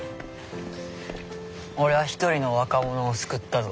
俺は一人の若者を救ったぞ。